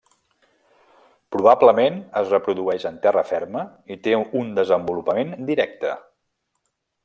Probablement es reprodueix en terra ferma i té un desenvolupament directe.